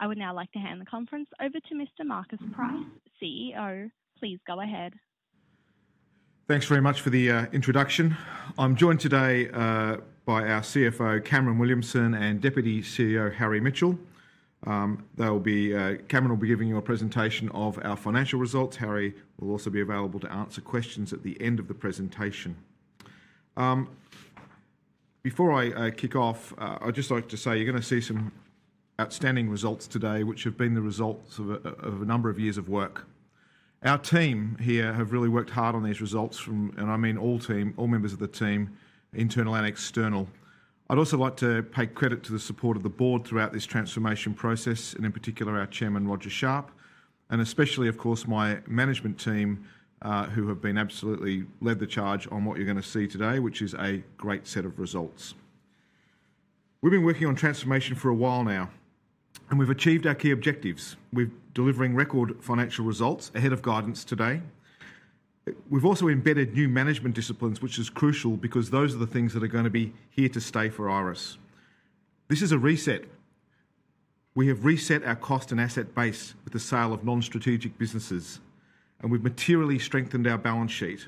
I would now like to hand the conference over to Mr. Marcus Price, CEO. Please go ahead. Thanks very much for the introduction. I'm joined today by our CFO, Cameron Williamson, and Deputy CEO, Harry Mitchell. Cameron will be giving you a presentation of our financial results. Harry will also be available to answer questions at the end of the presentation. Before I kick off, I'd just like to say you're going to see some outstanding results today, which have been the results of a number of years of work. Our team here has really worked hard on these results, and I mean all members of the team, internal and external. I'd also like to pay credit to the support of the board throughout this transformation process, and in particular our Chairman, Roger Sharp, and especially, of course, my management team, who have absolutely led the charge on what you're going to see today, which is a great set of results. We've been working on transformation for a while now, and we've achieved our key objectives. We're delivering record financial results ahead of guidance today. We've also embedded new management disciplines, which is crucial because those are the things that are going to be here to stay for Iress. This is a reset. We have reset our cost and asset base with the sale of non-strategic businesses, and we've materially strengthened our balance sheet.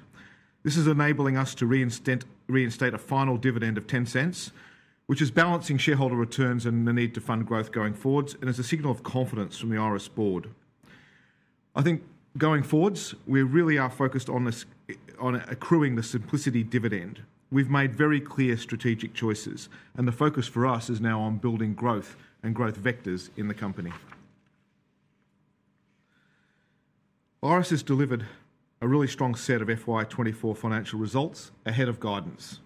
This is enabling us to reinstate a final dividend of 0.10, which is balancing shareholder returns and the need to fund growth going forwards, and is a signal of confidence from the Iress board. I think going forwards, we really are focused on accruing the simplicity dividend. We've made very clear strategic choices, and the focus for us is now on building growth and growth vectors in the company. Iress has delivered a really strong set of FY 2024 financial results ahead of guidance.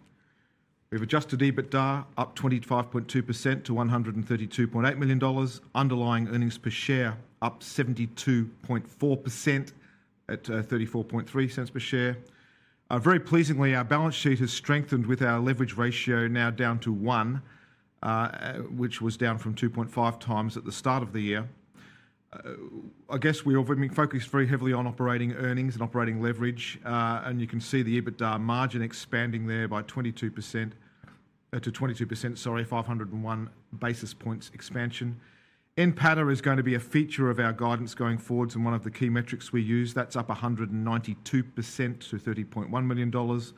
We've adjusted EBITDA up 25.2% to 132.8 million dollars, underlying earnings per share up 72.4% at 0.34 per share. Very pleasingly, our balance sheet has strengthened with our leverage ratio now down to 1, which was down from 2.5 times at the start of the year. I guess we've been focused very heavily on operating earnings and operating leverage, and you can see the EBITDA margin expanding there by 22% to 501 basis points expansion. Free cash flow is going to be a feature of our guidance going forward and one of the key metrics we use. That's up 192% to 30.1 million dollars,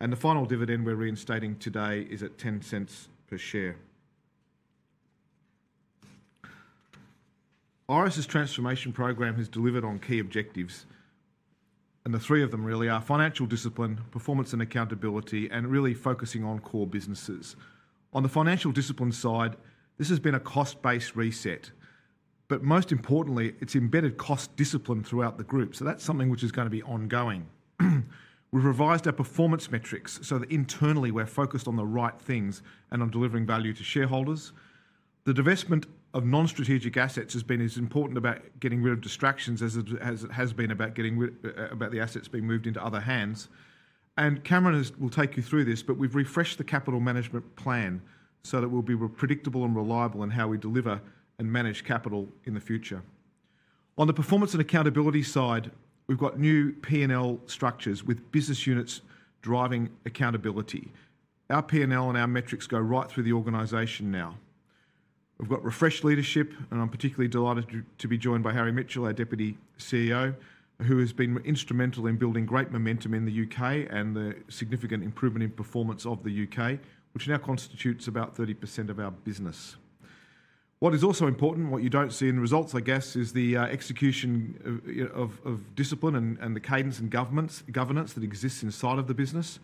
and the final dividend we're reinstating today is at 0.10 per share. Iress's transformation program has delivered on key objectives, and the three of them really are financial discipline, performance, and accountability, and really focusing on core businesses. On the financial discipline side, this has been a cost-based reset, but most importantly, it's embedded cost discipline throughout the group, so that's something which is going to be ongoing. We've revised our performance metrics so that internally we're focused on the right things and on delivering value to shareholders. The divestment of non-strategic assets has been as important about getting rid of distractions as it has been about getting rid of the assets being moved into other hands, and Cameron will take you through this, but we've refreshed the capital management plan so that we'll be predictable and reliable in how we deliver and manage capital in the future. On the performance and accountability side, we've got new P&L structures with business units driving accountability. Our P&L and our metrics go right through the organization now. We've got refreshed leadership, and I'm particularly delighted to be joined by Harry Mitchell, our Deputy CEO, who has been instrumental in building great momentum in the UK and the significant improvement in performance of the UK, which now constitutes about 30% of our business. What is also important, what you don't see in the results, I guess, is the execution of discipline and the cadence and governance that exists inside of the business,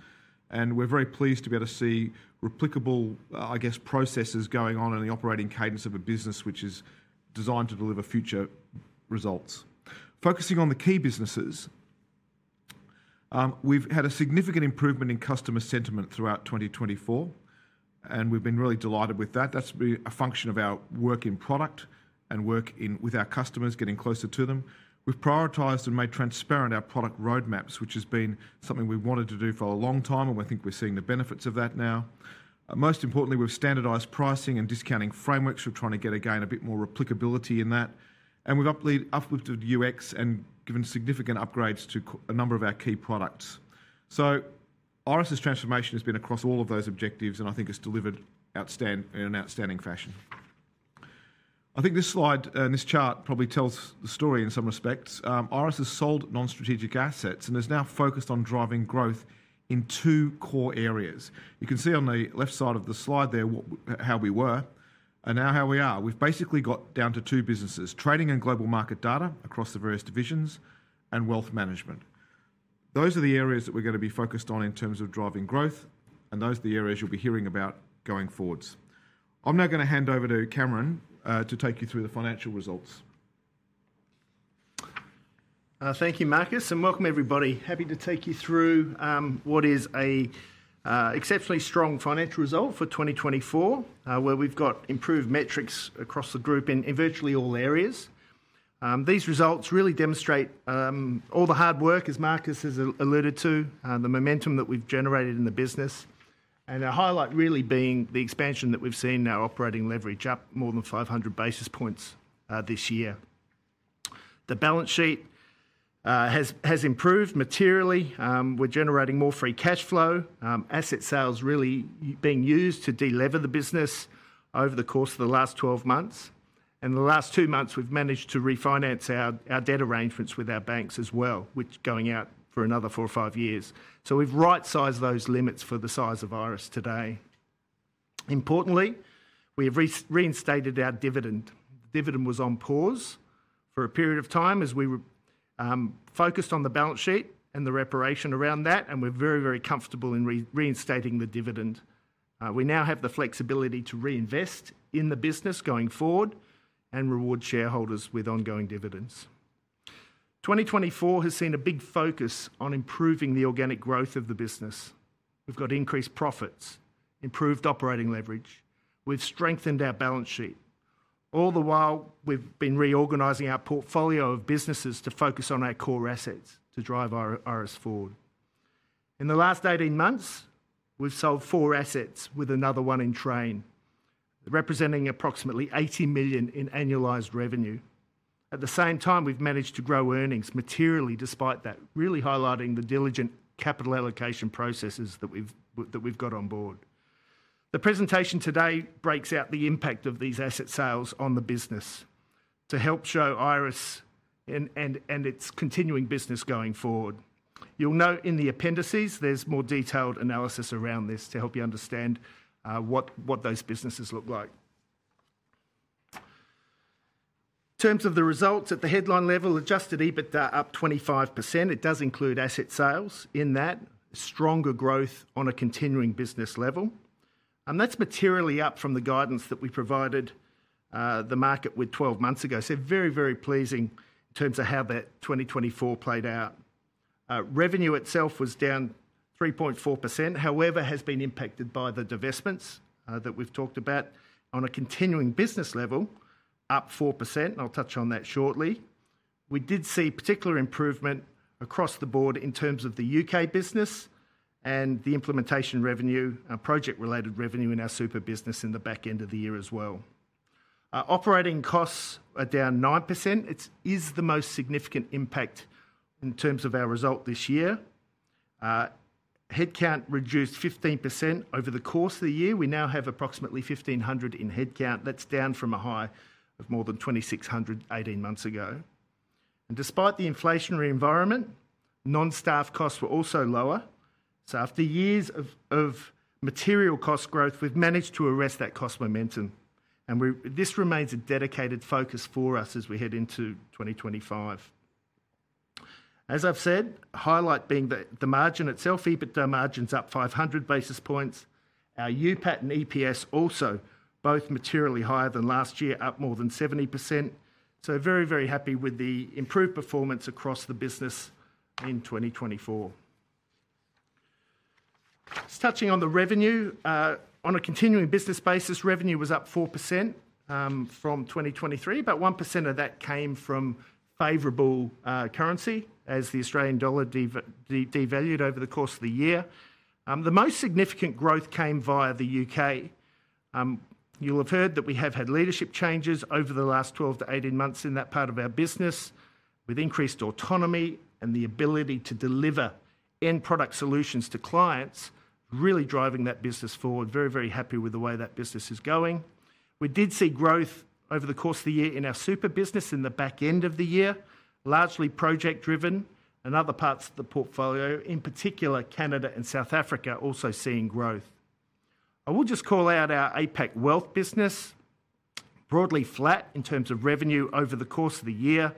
and we're very pleased to be able to see replicable, I guess, processes going on in the operating cadence of a business which is designed to deliver future results. Focusing on the key businesses, we've had a significant improvement in customer sentiment throughout 2024, and we've been really delighted with that. That's a function of our work in product and work with our customers, getting closer to them. We've prioritized and made transparent our product roadmaps, which has been something we've wanted to do for a long time, and I think we're seeing the benefits of that now. Most importantly, we've standardized pricing and discounting frameworks. We're trying to get, again, a bit more replicability in that, and we've uplifted UX and given significant upgrades to a number of our key products. So Iress's transformation has been across all of those objectives, and I think it's delivered in an outstanding fashion. I think this slide and this chart probably tells the story in some respects. Iress has sold non-strategic assets and is now focused on driving growth in two core areas. You can see on the left side of the slide there how we were and now how we are. We've basically got down to two businesses: Trading and Global Market Data across the various divisions and Wealth Management. Those are the areas that we're going to be focused on in terms of driving growth, and those are the areas you'll be hearing about going forwards. I'm now going to hand over to Cameron to take you through the financial results. Thank you, Marcus, and welcome, everybody. Happy to take you through what is an exceptionally strong financial result for 2024, where we've got improved metrics across the group in virtually all areas. These results really demonstrate all the hard work, as Marcus has alluded to, the momentum that we've generated in the business, and a highlight really being the expansion that we've seen in our operating leverage up more than 500 basis points this year. The balance sheet has improved materially. We're generating more free cash flow. Asset sales are really being used to delever the business over the course of the last 12 months, and in the last two months, we've managed to refinance our debt arrangements with our banks as well, which are going out for another four or five years. So we've right-sized those limits for the size of Iress today. Importantly, we have reinstated our dividend. The dividend was on pause for a period of time as we were focused on the balance sheet and the reparation around that, and we're very, very comfortable in reinstating the dividend. We now have the flexibility to reinvest in the business going forward and reward shareholders with ongoing dividends. 2024 has seen a big focus on improving the organic growth of the business. We've got increased profits, improved operating leverage. We've strengthened our balance sheet. All the while, we've been reorganizing our portfolio of businesses to focus on our core assets to drive Iress forward. In the last 18 months, we've sold four assets with another one in train, representing approximately 80 million in annualized revenue. At the same time, we've managed to grow earnings materially despite that, really highlighting the diligent capital allocation processes that we've got on board. The presentation today breaks out the impact of these asset sales on the business to help show Iress and its continuing business going forward. You'll note in the appendices there's more detailed analysis around this to help you understand what those businesses look like. In terms of the results at the headline level, Adjusted EBITDA up 25%. It does include asset sales in that, stronger growth on a continuing business level, and that's materially up from the guidance that we provided the market with 12 months ago, so very, very pleasing in terms of how that 2024 played out. Revenue itself was down 3.4%, however, has been impacted by the divestments that we've talked about. On a continuing business level, up 4%, and I'll touch on that shortly. We did see particular improvement across the board in terms of the UK business and the implementation revenue, project-related revenue in our Super business in the back end of the year as well. Operating costs are down 9%. It is the most significant impact in terms of our result this year. Headcount reduced 15% over the course of the year. We now have approximately 1,500 in headcount. That's down from a high of more than 2,600 18 months ago. And despite the inflationary environment, non-staff costs were also lower. So after years of material cost growth, we've managed to arrest that cost momentum, and this remains a dedicated focus for us as we head into 2025. As I've said, highlight being that the margin itself, EBITDA margin's up 500 basis points. Our NPAT and EPS also, both materially higher than last year, up more than 70%. Very, very happy with the improved performance across the business in 2024. Touching on the revenue, on a continuing business basis, revenue was up 4% from 2023. About 1% of that came from favorable currency as the Australian dollar devalued over the course of the year. The most significant growth came via the U.K. You'll have heard that we have had leadership changes over the last 12 to 18 months in that part of our business with increased autonomy and the ability to deliver end product solutions to clients, really driving that business forward. Very, very happy with the way that business is going. We did see growth over the course of the year in our super business in the back end of the year, largely project-driven and other parts of the portfolio, in particular Canada and South Africa, also seeing growth. I will just call out our APAC Wealth business, broadly flat in terms of revenue over the course of the year,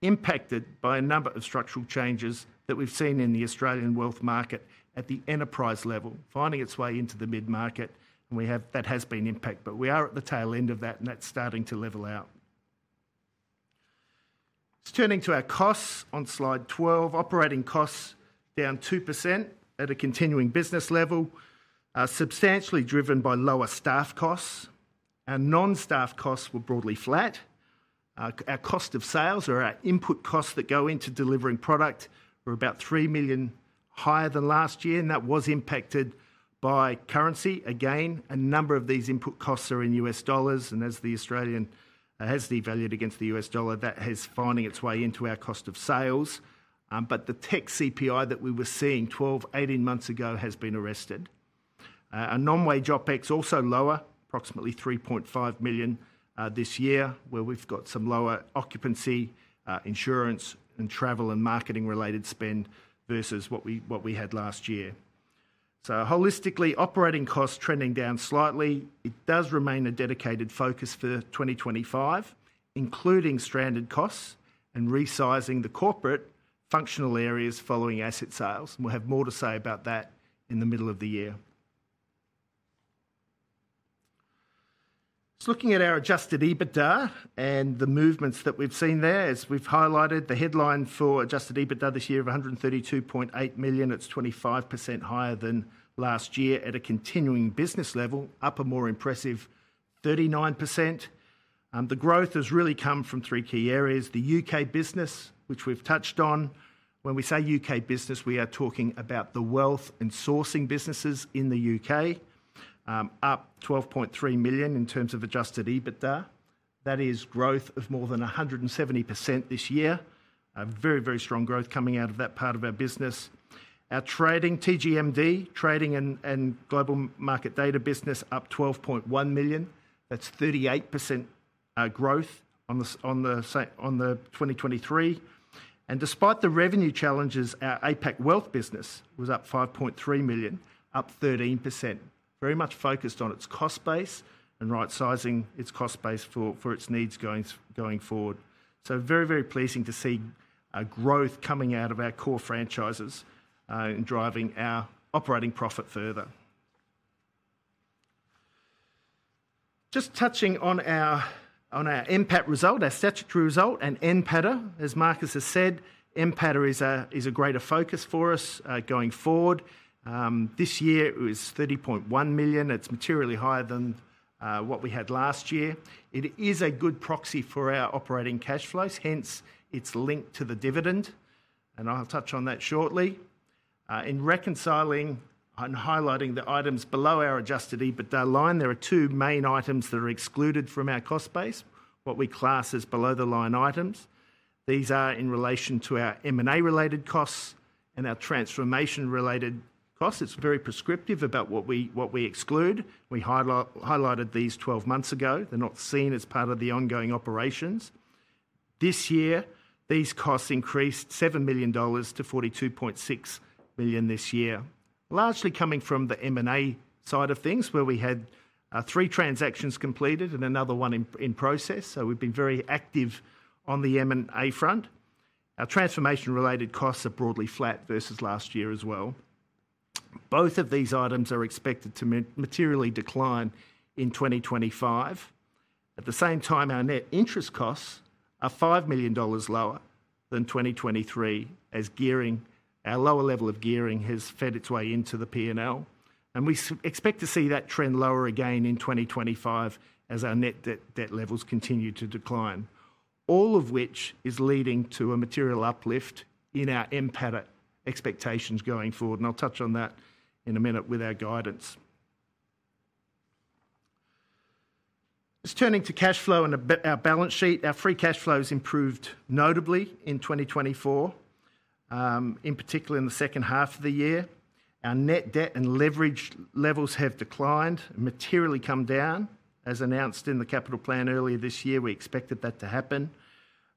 impacted by a number of structural changes that we've seen in the Australian wealth market at the enterprise level, finding its way into the mid-market, and that has been impacted, but we are at the tail end of that, and that's starting to level out. Turning to our costs on slide 12, operating costs down 2% at a continuing business level, substantially driven by lower staff costs. Our non-staff costs were broadly flat. Our cost of sales, or our input costs that go into delivering product, were about $3 million higher than last year, and that was impacted by currency. Again, a number of these input costs are in USD, and as the Australian dollar has devalued against the U.S. dollar, that has found its way into our cost of sales. But the Tech CPI that we were seeing 12, 18 months ago has been arrested. Our non-wage OpEx also lower, approximately 3.5 million this year, where we've got some lower occupancy, insurance, and travel and marketing-related spend versus what we had last year. So holistically, operating costs trending down slightly. It does remain a dedicated focus for 2025, including stranded costs and resizing the corporate functional areas following asset sales, and we'll have more to say about that in the middle of the year. Looking at our Adjusted EBITDA and the movements that we've seen there, as we've highlighted, the headline for Adjusted EBITDA this year of 132.8 million, it's 25% higher than last year at a continuing business level, up a more impressive 39%. The growth has really come from three key areas: the UK business, which we've touched on. When we say UK business, we are talking about the Wealth and Sourcing businesses in the UK, up 12.3 million in terms of Adjusted EBITDA. That is growth of more than 170% this year, very, very strong growth coming out of that part of our business. Our trading, TGMD, Trading and Global Market Data business, up 12.1 million. That's 38% growth on the 2023. Despite the revenue challenges, our APAC Wealth business was up 5.3 million, up 13%, very much focused on its cost base and right-sizing its cost base for its needs going forward. Very, very pleasing to see growth coming out of our core franchises and driving our operating profit further. Just touching on our NPAT result, our statutory result, and NPATA, as Marcus has said, NPATA is a greater focus for us going forward. This year, it was 30.1 million. It's materially higher than what we had last year. It is a good proxy for our operating cash flows, hence it's linked to the dividend, and I'll touch on that shortly. In reconciling and highlighting the items below our adjusted EBITDA line, there are two main items that are excluded from our cost base, what we class as below-the-line items. These are in relation to our M&A-related costs and our transformation-related costs. It's very prescriptive about what we exclude. We highlighted these 12 months ago. They're not seen as part of the ongoing operations. This year, these costs increased 7 million dollars to 42.6 million this year, largely coming from the M&A side of things, where we had three transactions completed and another one in process. So we've been very active on the M&A front. Our transformation-related costs are broadly flat versus last year as well. Both of these items are expected to materially decline in 2025. At the same time, our net interest costs are 5 million dollars lower than 2023 as gearing, our lower level of gearing has fed its way into the P&L, and we expect to see that trend lower again in 2025 as our net debt levels continue to decline, all of which is leading to a material uplift in our NPATA expectations going forward, and I'll touch on that in a minute with our guidance. Just turning to cash flow and our balance sheet, our free cash flow has improved notably in 2024, in particular in the second half of the year. Our net debt and leverage levels have declined, materially come down, as announced in the capital plan earlier this year. We expected that to happen.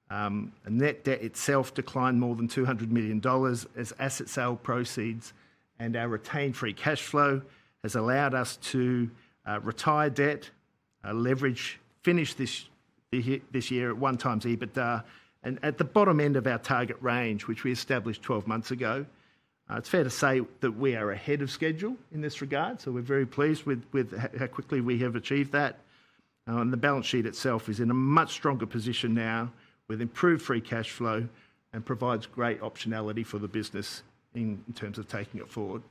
Net debt itself declined more than 200 million dollars as asset sale proceeds, and our retained free cash flow has allowed us to retire debt, leverage, finish this year at one times EBITDA, and at the bottom end of our target range, which we established 12 months ago. It's fair to say that we are ahead of schedule in this regard, so we're very pleased with how quickly we have achieved that. The balance sheet itself is in a much stronger position now with improved free cash flow and provides great optionality for the business in terms of taking it forward.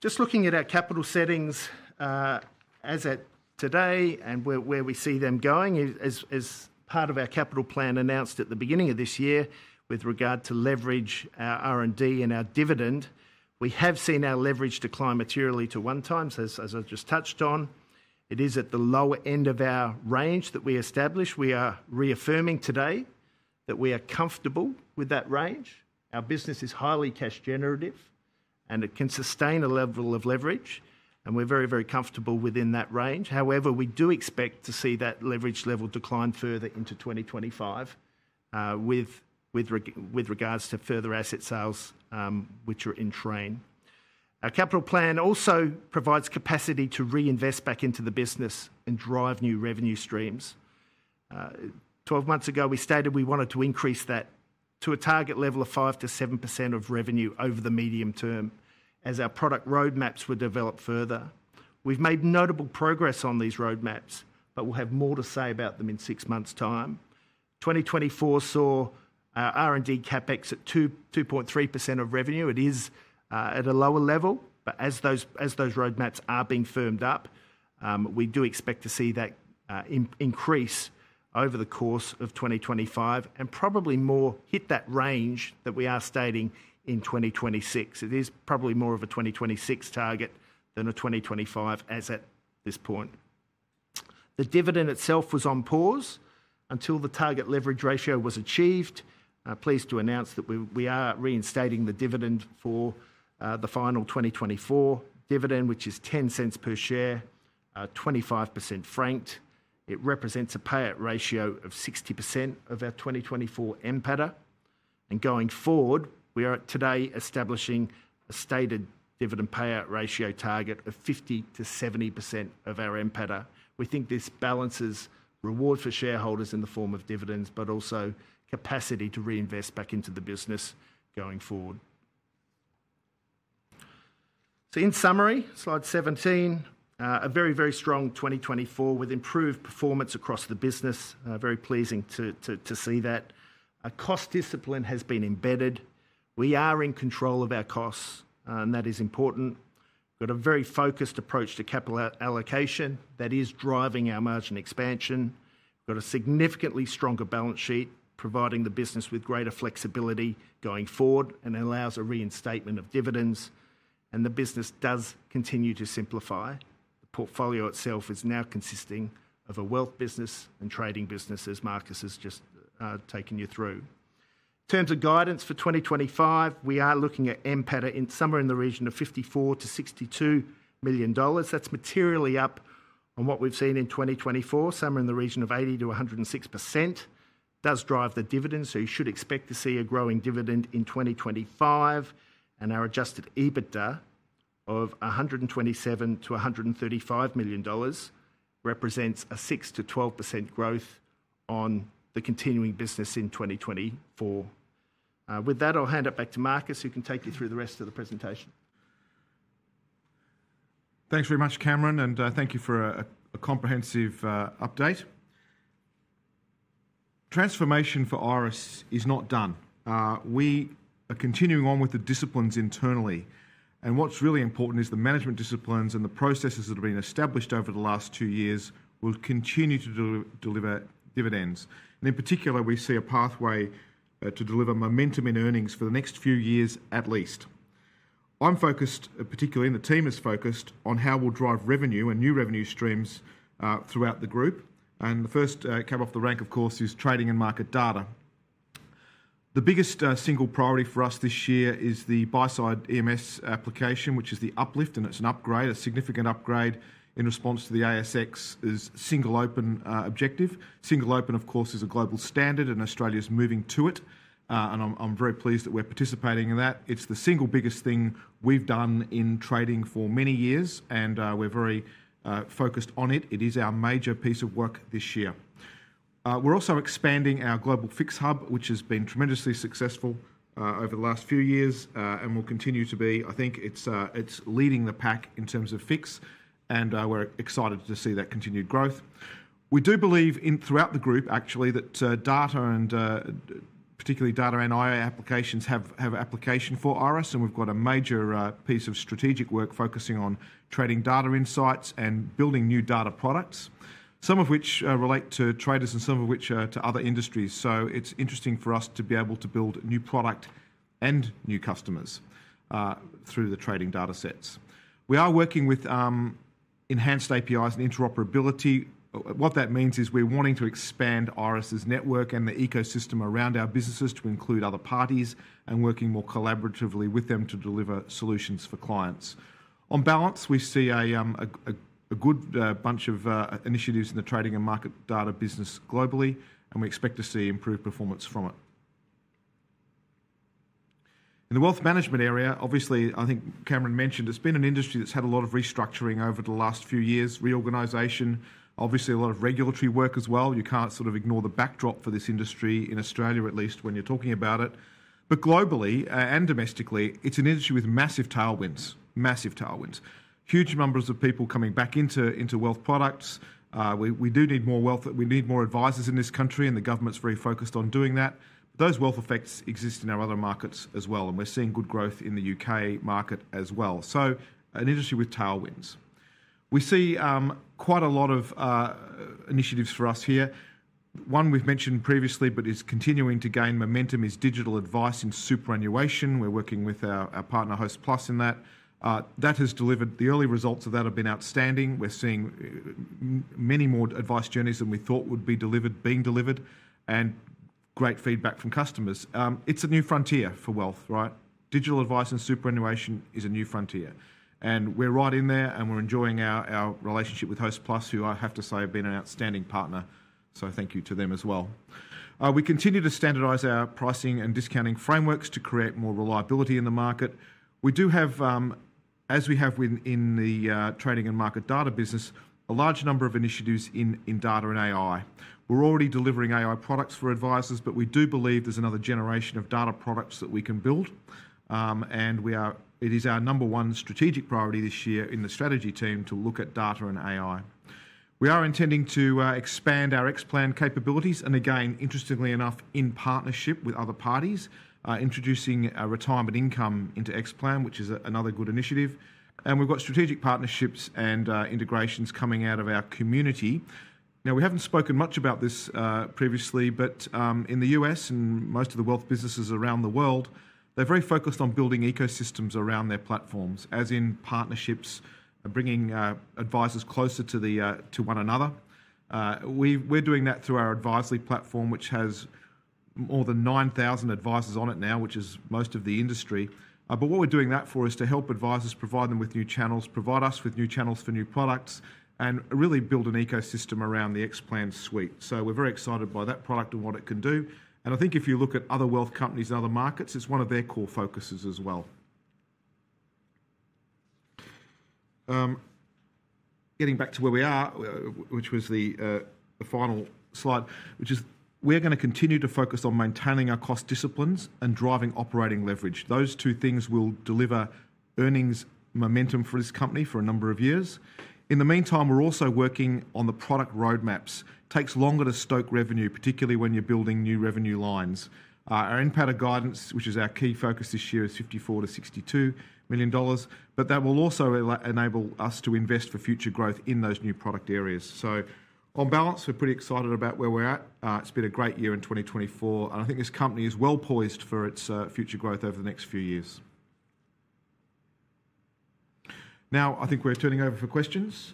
Just looking at our capital settings as of today and where we see them going, as part of our capital plan announced at the beginning of this year with regard to leverage, our R&D, and our dividend, we have seen our leverage decline materially to one times, as I just touched on. It is at the lower end of our range that we established. We are reaffirming today that we are comfortable with that range. Our business is highly cash-generative, and it can sustain a level of leverage, and we're very, very comfortable within that range. However, we do expect to see that leverage level decline further into 2025 with regards to further asset sales, which are in train. Our capital plan also provides capacity to reinvest back into the business and drive new revenue streams. 12 months ago, we stated we wanted to increase that to a target level of 5%-7% of revenue over the medium term as our product roadmaps were developed further. We've made notable progress on these roadmaps, but we'll have more to say about them in six months' time. 2024 saw our R&D Capex at 2.3% of revenue. It is at a lower level, but as those roadmaps are being firmed up, we do expect to see that increase over the course of 2025 and probably more hit that range that we are stating in 2026. It is probably more of a 2026 target than a 2025 as at this point. The dividend itself was on pause until the target leverage ratio was achieved. Pleased to announce that we are reinstating the dividend for the final 2024 dividend, which is 0.10 per share, 25% franked. It represents a payout ratio of 60% of our 2024 NPATA. Going forward, we are today establishing a stated dividend payout ratio target of 50%-70% of our NPATA. We think this balances rewards for shareholders in the form of dividends, but also capacity to reinvest back into the business going forward. In summary, slide 17, a very, very strong 2024 with improved performance across the business. Very pleasing to see that. Cost discipline has been embedded. We are in control of our costs, and that is important. We have got a very focused approach to capital allocation that is driving our margin expansion. We have got a significantly stronger balance sheet, providing the business with greater flexibility going forward and allows a reinstatement of dividends, and the business does continue to simplify. The portfolio itself is now consisting of a wealth business and trading business, as Marcus has just taken you through. In terms of guidance for 2025, we are looking at NPATA somewhere in the region of 54-62 million dollars. That's materially up on what we've seen in 2024, somewhere in the region of 80%-106%. It does drive the dividend, so you should expect to see a growing dividend in 2025. And our adjusted EBITDA of AUD 127-AUD 135 million represents a 6%-12% growth on the continuing business in 2024. With that, I'll hand it back to Marcus, who can take you through the rest of the presentation. Thanks very much, Cameron, and thank you for a comprehensive update. Transformation for Iress is not done. We are continuing on with the disciplines internally, and what's really important is the management disciplines and the processes that have been established over the last two years will continue to deliver dividends. In particular, we see a pathway to deliver momentum in earnings for the next few years at least. I'm focused, particularly the team is focused on how we'll drive revenue and new revenue streams throughout the group. The first came off the rank, of course, is Trading and Market Data. The biggest single priority for us this year is the Buy-side EMS application, which is the uplift, and it's an upgrade, a significant upgrade in response to the ASX's Single Open objective. Single Open, of course, is a global standard, and Australia's moving to it, and I'm very pleased that we're participating in that. It's the single biggest thing we've done in trading for many years, and we're very focused on it. It is our major piece of work this year. We're also expanding our global FIX Hub, which has been tremendously successful over the last few years and will continue to be. I think it's leading the pack in terms of FIX, and we're excited to see that continued growth. We do believe throughout the group, actually, that data and particularly data and IO applications have application for Iress, and we've got a major piece of strategic work focusing on trading data insights and building new data products, some of which relate to traders and some of which are to other industries. So it's interesting for us to be able to build new product and new customers through the trading data sets. We are working with enhanced APIs and interoperability. What that means is we're wanting to expand Iress's network and the ecosystem around our businesses to include other parties and working more collaboratively with them to deliver solutions for clients. On balance, we see a good bunch of initiatives in the trading and market data business globally, and we expect to see improved performance from it. In the Wealth Management area, obviously, I think Cameron mentioned it's been an industry that's had a lot of restructuring over the last few years, reorganization, obviously a lot of regulatory work as well. You can't sort of ignore the backdrop for this industry in Australia, at least when you're talking about it. But globally and domestically, it's an industry with massive tailwinds, massive tailwinds, huge numbers of people coming back into wealth products. We do need more wealth. We need more advisers in this country, and the government's very focused on doing that. Those wealth effects exist in our other markets as well, and we're seeing good growth in the UK market as well, so an industry with tailwinds. We see quite a lot of initiatives for us here. One we've mentioned previously but is continuing to gain momentum is digital advice and superannuation. We're working with our partner, Hostplus, in that. That has delivered. The early results of that have been outstanding. We're seeing many more advice journeys than we thought would be delivered, being delivered, and great feedback from customers. It's a new frontier for wealth, right? Digital advice and superannuation is a new frontier, and we're right in there, and we're enjoying our relationship with Hostplus, who I have to say have been an outstanding partner, so thank you to them as well. We continue to standardize our pricing and discounting frameworks to create more reliability in the market. We do have, as we have in the Trading and Market Data business, a large number of initiatives in data and AI. We're already delivering AI products for advisors, but we do believe there's another generation of data products that we can build, and it is our number one strategic priority this year in the strategy team to look at data and AI. We are intending to expand our Xplan capabilities and, again, interestingly enough, in partnership with other parties, introducing retirement income into Xplan, which is another good initiative, and we've got strategic partnerships and integrations coming out of our community. Now, we haven't spoken much about this previously, but in the U.S. and most of the wealth businesses around the world, they're very focused on building ecosystems around their platforms, as in partnerships and bringing advisors closer to one another. We're doing that through our advisory platform, which has more than 9,000 advisors on it now, which is most of the industry. But what we're doing that for is to help advisors provide them with new channels, provide us with new channels for new products, and really build an ecosystem around the Xplan suite. So we're very excited by that product and what it can do. And I think if you look at other wealth companies and other markets, it's one of their core focuses as well. Getting back to where we are, which was the final slide, which is we're going to continue to focus on maintaining our cost disciplines and driving operating leverage. Those two things will deliver earnings momentum for this company for a number of years. In the meantime, we're also working on the product roadmaps. It takes longer to stoke revenue, particularly when you're building new revenue lines. Our NPATA guidance, which is our key focus this year, is 54 million-62 million dollars, but that will also enable us to invest for future growth in those new product areas. So on balance, we're pretty excited about where we're at. It's been a great year in 2024, and I think this company is well poised for its future growth over the next few years. Now, I think we're turning over for questions.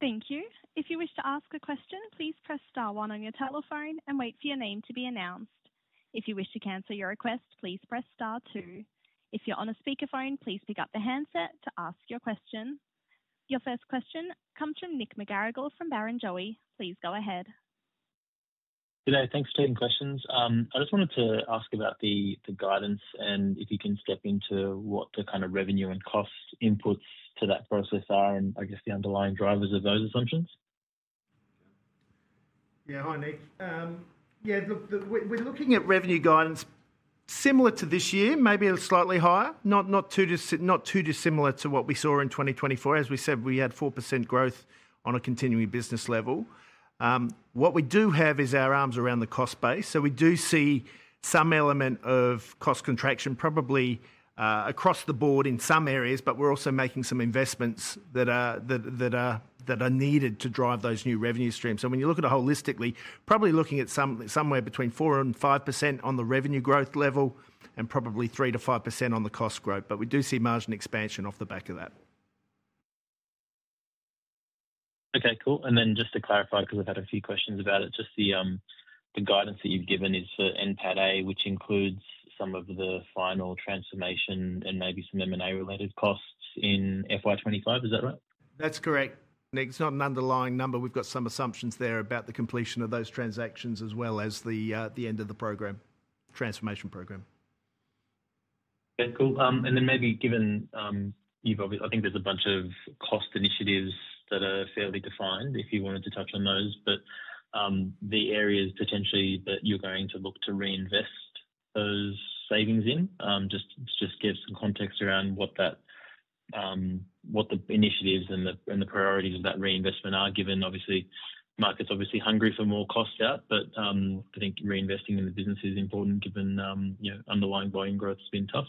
Thank you. If you wish to ask a question, please press star one on your telephone and wait for your name to be announced. If you wish to cancel your request, please press star two. If you're on a speakerphone, please pick up the handset to ask your question. Your first question comes from Nick McGarrigle from Barrenjoey. Please go ahead. Good day. Thanks for taking questions. I just wanted to ask about the guidance and if you can step into what the kind of revenue and cost inputs to that process are and, I guess, the underlying drivers of those assumptions. Yeah. Hi, Nick. Yeah. Look, we're looking at revenue guidance similar to this year, maybe a slightly higher, not too dissimilar to what we saw in 2024. As we said, we had 4% growth on a continuing business level. What we do have is our arms around the cost base. So we do see some element of cost contraction probably across the board in some areas, but we're also making some investments that are needed to drive those new revenue streams. So when you look at it holistically, probably looking at somewhere between 4% and 5% on the revenue growth level and probably 3% to 5% on the cost growth. But we do see margin expansion off the back of that. Okay. Cool. And then just to clarify, because we've had a few questions about it, just the guidance that you've given is for NPAT, which includes some of the final transformation and maybe some M&A-related costs in FY 2025. Is that right? That's correct, Nick. It's not an underlying number. We've got some assumptions there about the completion of those transactions as well as the end of the program, transformation program. Okay. Cool. And then maybe given I think there's a bunch of cost initiatives that are fairly defined, if you wanted to touch on those, but the areas potentially that you're going to look to reinvest those savings in, just give some context around what the initiatives and the priorities of that reinvestment are, given, obviously, markets are obviously hungry for more cost out. But I think reinvesting in the business is important given underlying volume growth has been tough.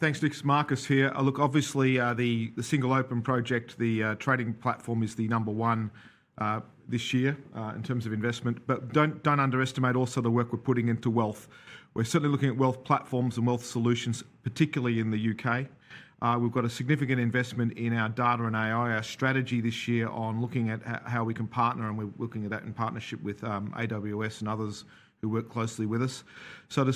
Thanks, Nick. Marcus here. Look, obviously, the Single Open project, the trading platform, is the number one this year in terms of investment. But don't underestimate also the work we're putting into wealth. We're certainly looking at wealth platforms and wealth solutions, particularly in the UK. We've got a significant investment in our data and AI, our strategy this year on looking at how we can partner, and we're looking at that in partnership with AWS and others who work closely with us. So I've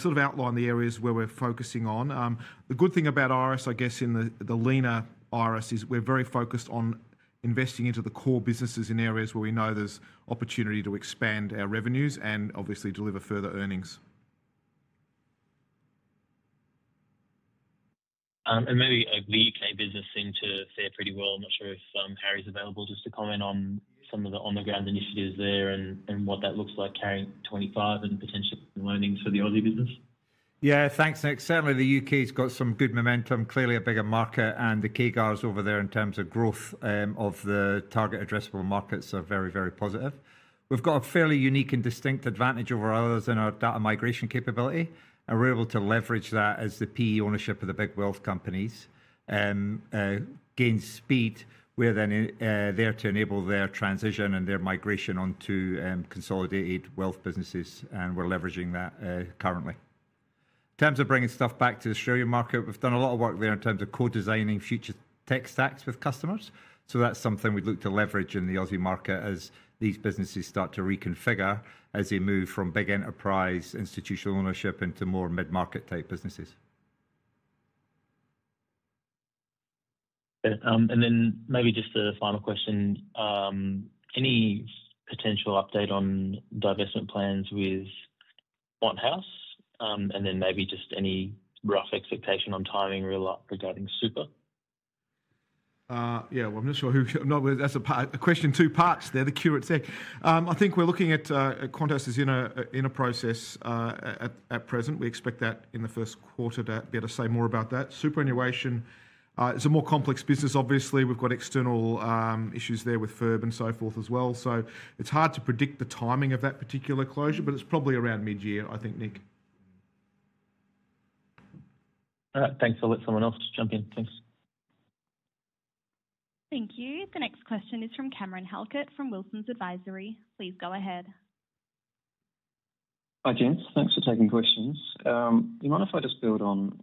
sort of outlined the areas where we're focusing on. The good thing about Iress, I guess, in the leaner Iress, is we're very focused on investing into the core businesses in areas where we know there's opportunity to expand our revenues and obviously deliver further earnings. Maybe the UK business seemed to fare pretty well. I'm not sure if Harry's available just to comment on some of the on-the-ground initiatives there and what that looks like carrying 2025 and potentially learnings for the Aussie business. Yeah. Thanks, Nick. Certainly, the U.K.'s got some good momentum, clearly a bigger market, and the key guys over there in terms of growth of the target addressable markets are very, very positive. We've got a fairly unique and distinct advantage over others in our data migration capability, and we're able to leverage that as the PE ownership of the big wealth companies gains speed. We're then there to enable their transition and their migration onto consolidated wealth businesses, and we're leveraging that currently. In terms of bringing stuff back to the Australia market, we've done a lot of work there in terms of co-designing future tech stacks with customers. So that's something we'd look to leverage in the Aussie market as these businesses start to reconfigure as they move from big enterprise institutional ownership into more mid-market type businesses. And then maybe just a final question. Any potential update on divestment plans with QuantHouse? And then maybe just any rough expectation on timing regarding Super? Yeah. Well, that's a question in two parts. The QuantHouse is in a process at present. We expect that in the first quarter to be able to say more about that. Superannuation is a more complex business, obviously. We've got external issues there with FIRB and so forth as well. So it's hard to predict the timing of that particular closure, but it's probably aroundmid-year, I think, Nick. All right. Thanks. I'll let someone else jump in. Thanks. Thank you. The next question is from Cameron Halkett from Wilsons Advisory. Please go ahead. Hi, James. Thanks for taking questions. Do you mind if I just build on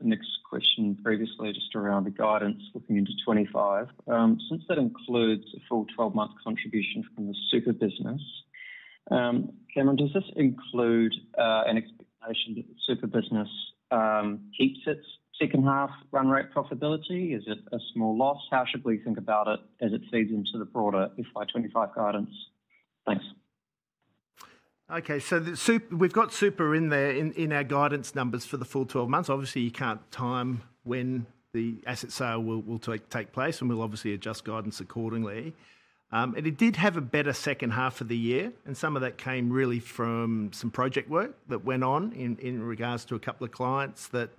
Nick's question previously just around the guidance looking into 25? Since that includes a full 12-month contribution from the Super business, Cameron, does this include an expectation that the Super business keeps its second-half run rate profitability? Is it a small loss? How should we think about it as it feeds into the broader FY 2025 guidance? Thanks. Okay, so we've got Super in there in our guidance numbers for the full 12 months. Obviously, you can't time when the asset sale will take place, and we'll obviously adjust guidance accordingly, and it did have a better second half of the year, and some of that came really from some project work that went on in regards to a couple of clients that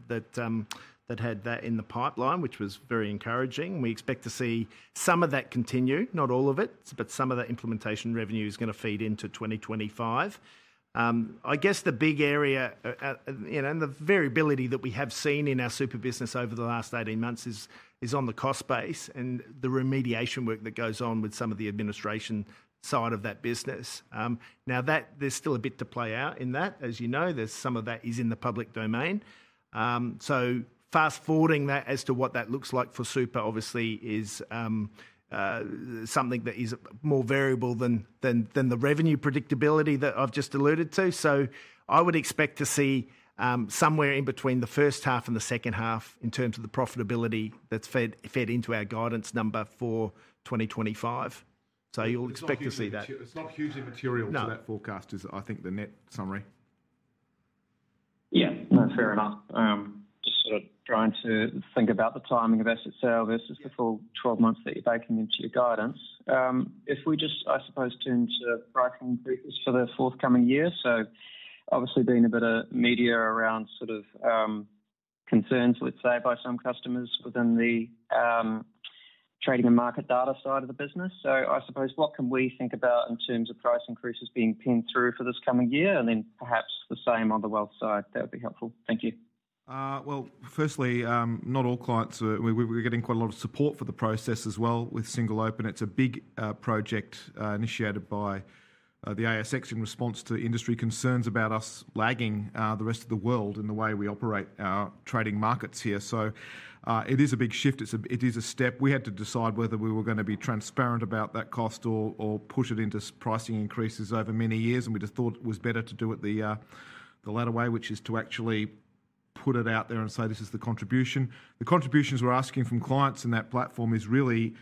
had that in the pipeline, which was very encouraging. We expect to see some of that continue, not all of it, but some of the implementation revenue is going to feed into 2025. I guess the big area and the variability that we have seen in our Super business over the last 18 months is on the cost base and the remediation work that goes on with some of the administration side of that business. Now, there's still a bit to play out in that. As you know, some of that is in the public domain. So fast forwarding that as to what that looks like for Super, obviously, is something that is more variable than the revenue predictability that I've just alluded to. So I would expect to see somewhere in between the first half and the second half in terms of the profitability that's fed into our guidance number for 2025. So you'll expect to see that. It's not hugely material to that forecast, is it? I think the net summary. Yeah. No, fair enough. Just sort of trying to think about the timing of asset sale versus the full 12 months that you're baking into your guidance. If we just, I suppose, turn to pricing increases for the forthcoming year, so obviously being a bit of media around sort of concerns, let's say, by some customers within the Trading and Market Data side of the business. So I suppose, what can we think about in terms of price increases being pinned through for this coming year? And then perhaps the same on the wealth side. That would be helpful. Thank you. Well, firstly, not all clients are—we're getting quite a lot of support for the process as well with Single Open. It's a big project initiated by the ASX in response to industry concerns about us lagging the rest of the world in the way we operate our trading markets here. So it is a big shift. It is a step. We had to decide whether we were going to be transparent about that cost or push it into pricing increases over many years. And we just thought it was better to do it the latter way, which is to actually put it out there and say, "This is the contribution." The contributions we're asking from clients in that platform is really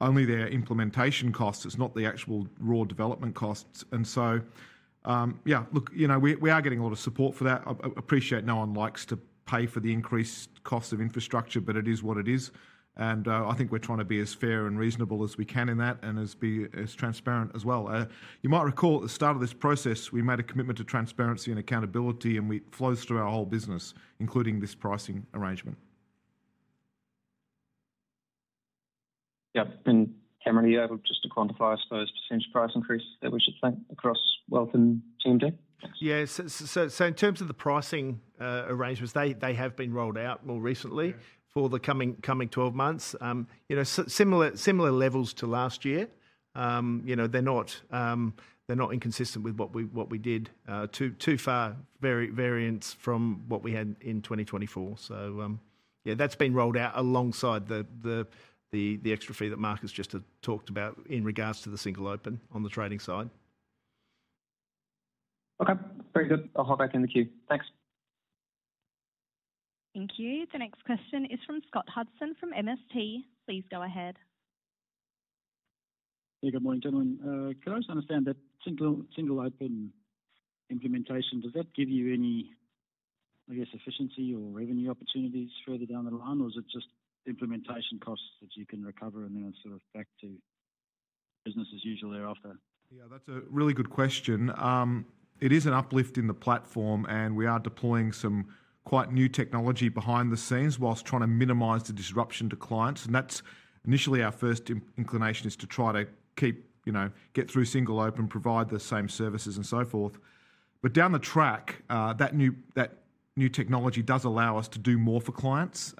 only their implementation costs. It's not the actual raw development costs. And so, yeah, look, we are getting a lot of support for that. I appreciate no one likes to pay for the increased cost of infrastructure, but it is what it is. And I think we're trying to be as fair and reasonable as we can in that and as transparent as well. You might recall at the start of this process, we made a commitment to transparency and accountability, and it flows through our whole business, including this pricing arrangement. Yep. And Cameron, do you have just to quantify, I suppose, percentage price increase that we should think across wealth and TMD? Yeah. So in terms of the pricing arrangements, they have been rolled out more recently for the coming 12 months. Similar levels to last year. They're not inconsistent with what we did, too far variance from what we had in 2024. So yeah, that's been rolled out alongside the extra fee that Marcus just talked about in regards to the Single Open on the trading side. Okay. Very good. I'll hop back in the queue. Thanks. Thank you. The next question is from Scott Hudson from MST. Please go ahead. Yeah. Good morning, gentlemen. Could I just understand that Single Open implementation, does that give you any, I guess, efficiency or revenue opportunities further down the line, or is it just implementation costs that you can recover and then sort of back to business as usual thereafter? Yeah. That's a really good question. It is an uplift in the platform, and we are deploying some quite new technology behind the scenes while trying to minimize the disruption to clients. And that's initially our first inclination is to try to get through Single Open, provide the same services and so forth. But down the track, that new technology does allow us to do more for clients.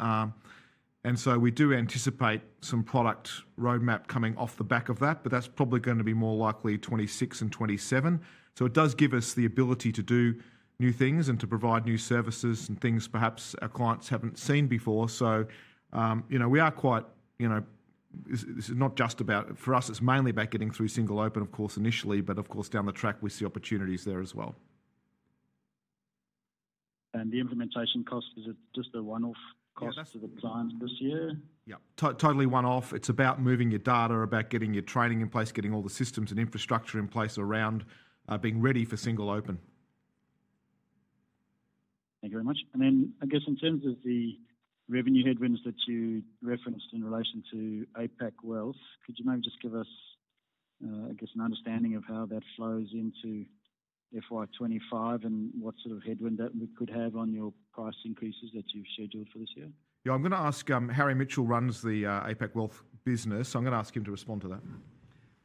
And so we do anticipate some product roadmap coming off the back of that, but that's probably going to be more likely 2026 and 2027. So it does give us the ability to do new things and to provide new services and things perhaps our clients haven't seen before. So we are quite. This is not just about for us. It's mainly about getting through Single Open, of course, initially, but of course, down the track, we see opportunities there as well. And the implementation cost, is it just a one-off cost to the client this year? Yeah. Totally one-off. It's about moving your data, about getting your training in place, getting all the systems and infrastructure in place around being ready for Single Open. Thank you very much. Then I guess in terms of the revenue headwinds that you referenced in relation to APAC Wealth, could you maybe just give us, I guess, an understanding of how that flows into FY 2025 and what sort of headwind that we could have on your price increases that you've scheduled for this year? Yeah. I'm going to ask Harry Mitchell runs the APAC Wealth business. I'm going to ask him to respond to that.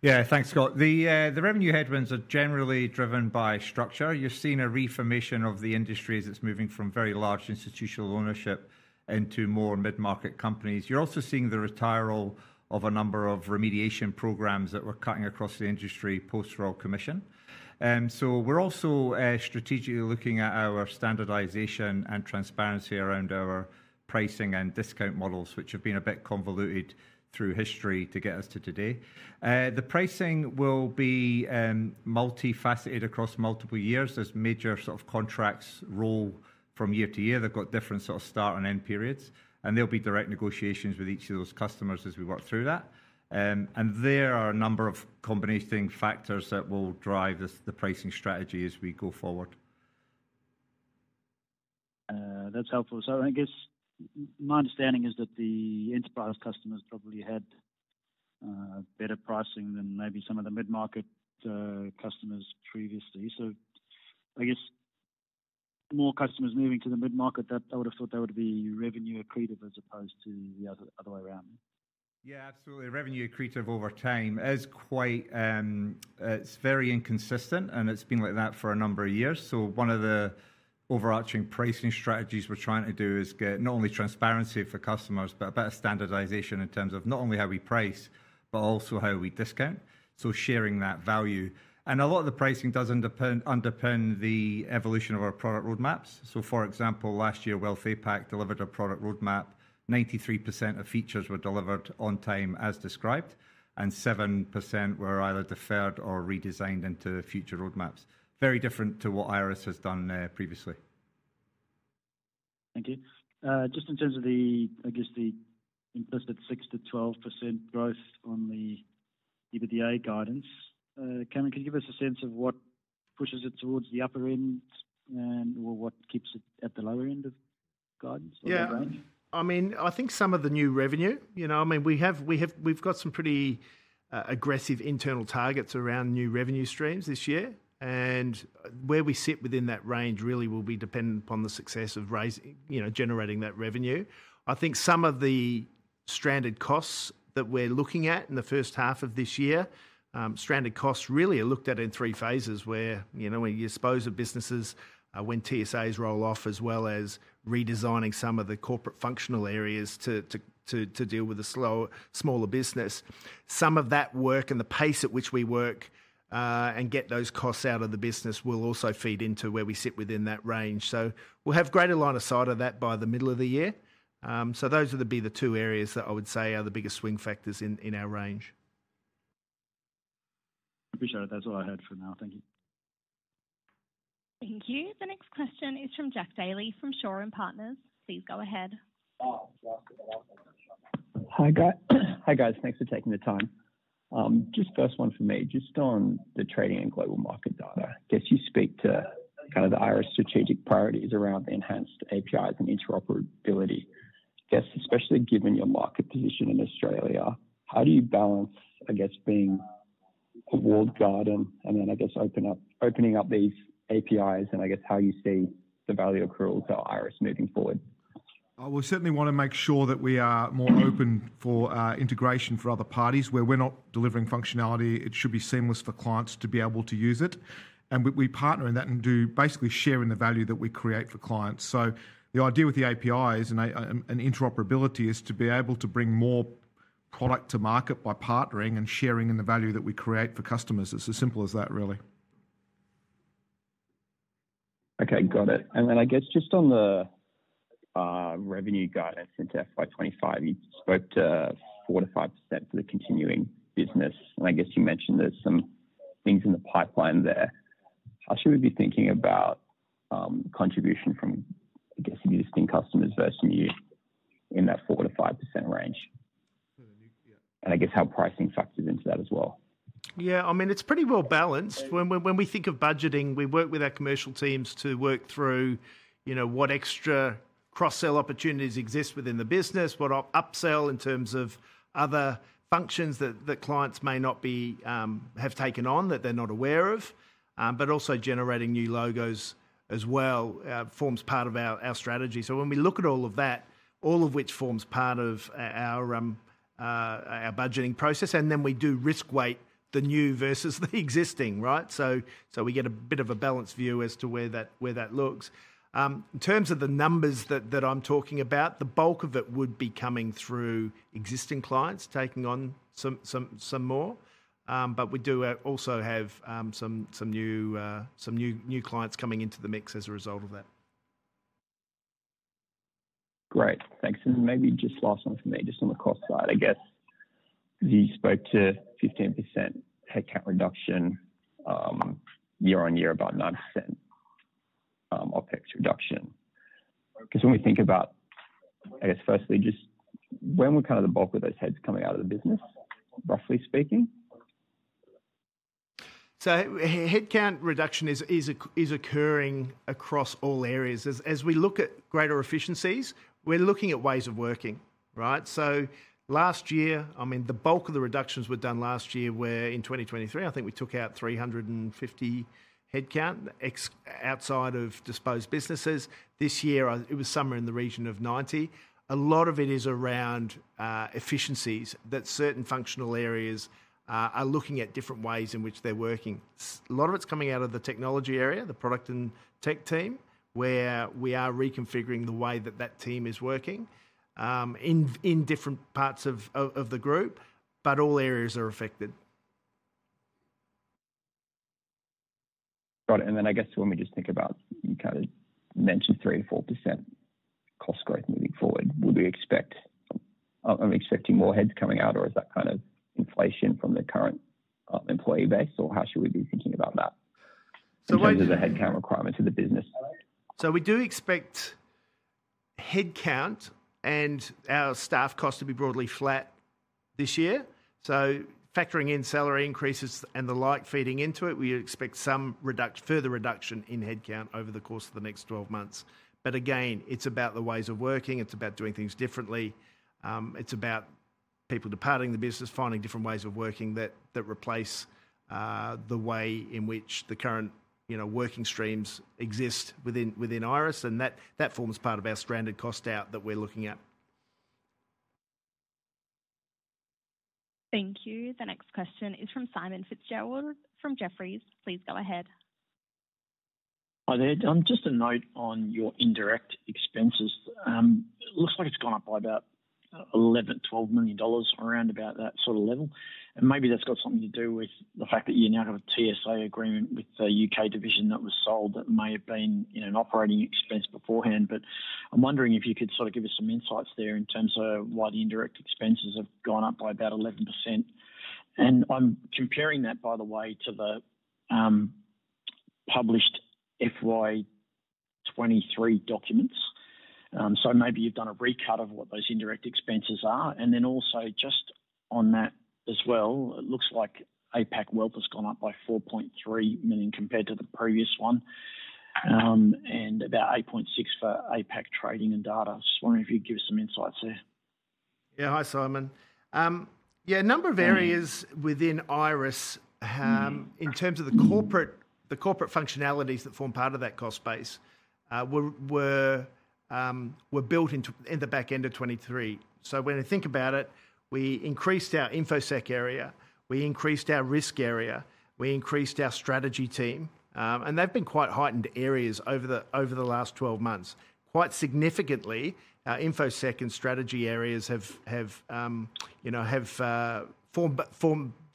Yeah. Thanks, Scott. The revenue headwinds are generally driven by structure. You're seeing a reformation of the industry as it's moving from very large institutional ownership into more mid-market companies. You're also seeing the retirement of a number of remediation programs that we're cutting across the industry post-Royal Commission. So we're also strategically looking at our standardization and transparency around our pricing and discount models, which have been a bit convoluted through history to get us to today. The pricing will be multifaceted across multiple years as major sort of contracts roll from year to year. They've got different sort of start and end periods, and there'll be direct negotiations with each of those customers as we work through that. And there are a number of combining factors that will drive the pricing strategy as we go forward. That's helpful. So I guess my understanding is that the enterprise customers probably had better pricing than maybe some of the mid-market customers previously. So I guess more customers moving to the mid-market, I would have thought that would be revenue accretive as opposed to the other way around. Yeah. Absolutely. Revenue accretive over time is quite. It's very inconsistent, and it's been like that for a number of years. So one of the overarching pricing strategies we're trying to do is get not only transparency for customers, but a better standardization in terms of not only how we price, but also how we discount, so sharing that value, and a lot of the pricing does underpin the evolution of our product roadmaps. So for example, last year, Wealthcare Pack delivered a product roadmap. 93% of features were delivered on time as described, and 7% were either deferred or redesigned into future roadmaps. Very different to what Iress has done previously. Thank you. Just in terms of the, I guess, the implicit 6%-12% growth on the EBITDA guidance, Cameron, could you give us a sense of what pushes it towards the upper end or what keeps it at the lower end of guidance or the range? Yeah. I mean, I think some of the new revenue. I mean, we've got some pretty aggressive internal targets around new revenue streams this year. And where we sit within that range really will be dependent upon the success of generating that revenue. I think some of the stranded costs that we're looking at in the first half of this year. Stranded costs really are looked at in three phases where we expose the businesses when TSAs roll off as well as redesigning some of the corporate functional areas to deal with a smaller business. Some of that work and the pace at which we work and get those costs out of the business will also feed into where we sit within that range. So we'll have greater line of sight of that by the middle of the year. So those would be the two areas that I would say are the biggest swing factors in our range. Appreciate it. That's all I had for now. Thank you. Thank you. The next question is from Jack Daley from Shaw and Partners. Please go ahead. Hi, guys. Thanks for taking the time. Just first one for me. Just on the trading and global market data, I guess you speak to kind of the Iress strategic priorities around the enhanced APIs and interoperability. I guess especially given your market position in Australia, how do you balance, I guess, being a walled garden and then, I guess, opening up these APIs and, I guess, how you see the value accrual to Iress moving forward? We certainly want to make sure that we are more open for integration for other parties. Where we're not delivering functionality, it should be seamless for clients to be able to use it. And we partner in that and do basically share in the value that we create for clients. So the idea with the APIs and interoperability is to be able to bring more product to market by partnering and sharing in the value that we create for customers. It's as simple as that, really. Okay. Got it. And then I guess just on the revenue guidance into FY 2025, you spoke to 4%-5% for the continuing business. And I guess you mentioned there's some things in the pipeline there. How should we be thinking about contribution from, I guess, existing customers versus new in that 4%-5% range? And I guess how pricing factors into that as well. Yeah. I mean, it's pretty well balanced. When we think of budgeting, we work with our commercial teams to work through what extra cross-sell opportunities exist within the business, what upsell in terms of other functions that clients may not have taken on that they're not aware of, but also generating new logos as well forms part of our strategy. So when we look at all of that, all of which forms part of our budgeting process, and then we do risk weight the new versus the existing, right? So we get a bit of a balanced view as to where that looks. In terms of the numbers that I'm talking about, the bulk of it would be coming through existing clients taking on some more. But we do also have some new clients coming into the mix as a result of that. Great. Thanks. And maybe just last one for me, just on the cost side, I guess. You spoke to 15% headcount reduction year on year, about 9% OpEx reduction. I guess when we think about, I guess, firstly, just when we're kind of the bulk of those heads coming out of the business, roughly speaking. So headcount reduction is occurring across all areas. As we look at greater efficiencies, we're looking at ways of working, right? So last year, I mean, the bulk of the reductions were done last year where in 2023, I think we took out 350 headcount outside of disposed businesses. This year, it was somewhere in the region of 90. A lot of it is around efficiencies that certain functional areas are looking at different ways in which they're working. A lot of it's coming out of the technology area, the product and tech team, where we are reconfiguring the way that that team is working in different parts of the group, but all areas are affected. Got it. And then I guess when we just think about, you kind of mentioned 3%-4% cost growth moving forward, would we expect I'm expecting more heads coming out, or is that kind of inflation from the current employee base, or how should we be thinking about that in terms of the headcount requirements of the business? So we do expect headcount and our staff cost to be broadly flat this year. So factoring in salary increases and the like feeding into it, we expect some further reduction in headcount over the course of the next 12 months. But again, it's about the ways of working. It's about doing things differently. It's about people departing the business, finding different ways of working that replace the way in which the current working streams exist within Iress. And that forms part of our stranded costs out that we're looking at. Thank you. The next question is from Simon Fitzgerald from Jefferies. Please go ahead. Hi there. Just a note on your indirect expenses. It looks like it's gone up by about 11 million-12 million dollars, around about that sort of level. And maybe that's got something to do with the fact that you now have a TSA agreement with the UK division that was sold that may have been an operating expense beforehand. But I'm wondering if you could sort of give us some insights there in terms of why the indirect expenses have gone up by about 11%. And I'm comparing that, by the way, to the published FY 2023 documents. So maybe you've done a recut of what those indirect expenses are. And then also just on that as well, it looks like APAC Wealth has gone up by 4.3 million compared to the previous one and about 8.6 million for APAC Trading and Data. Just wondering if you'd give us some insights there. Yeah. Hi, Simon. Yeah. A number of areas within Iress in terms of the corporate functionalities that form part of that cost base were built in the back end of 2023. So when we think about it, we increased our Infosec area. We increased our risk area. We increased our strategy team. And they've been quite heightened areas over the last 12 months. Quite significantly, our Infosec and strategy areas have formed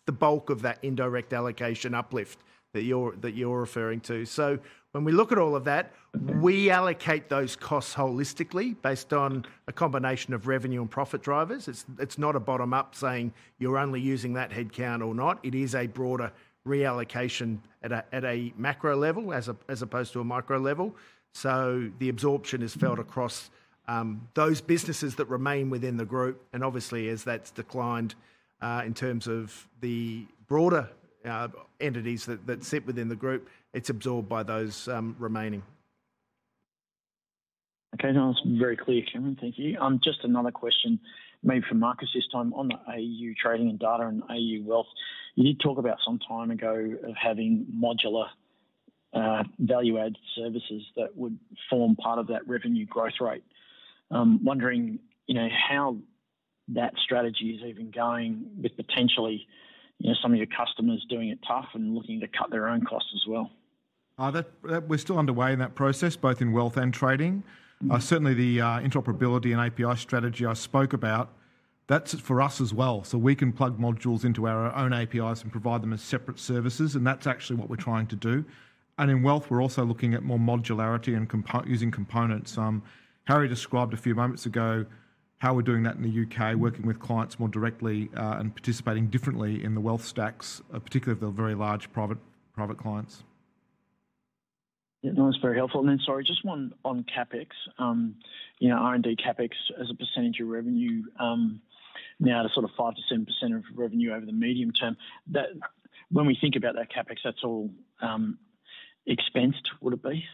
the bulk of that indirect allocation uplift that you're referring to. So when we look at all of that, we allocate those costs holistically based on a combination of revenue and profit drivers. It's not a bottom-up saying you're only using that headcount or not. It is a broader reallocation at a macro level as opposed to a micro level. So the absorption is felt across those businesses that remain within the group. And obviously, as that's declined in terms of the broader entities that sit within the group, it's absorbed by those remaining. Okay. That was very clear, Cameron. Thank you. Just another question maybe for Marcus this time on the AU Trading and Data and AU Wealth. You did talk about some time ago of having modular value-added services that would form part of that revenue growth rate. I'm wondering how that strategy is even going with potentially some of your customers doing it tough and looking to cut their own costs as well. We're still underway in that process, both in Wealth and Trading. Certainly, the interoperability and API strategy I spoke about, that's for us as well. So we can plug modules into our own APIs and provide them as separate services. And that's actually what we're trying to do. And in Wealth, we're also looking at more modularity and using components. Harry described a few moments ago how we're doing that in the UK, working with clients more directly and participating differently in the wealth stacks, particularly of the very large private clients. Yeah. That was very helpful. And then sorry, just one on CapEx. R&D CapEx as a percentage of revenue, now to sort of 5%-7% of revenue over the medium term. When we think about that CapEx, that's all expensed, would it be?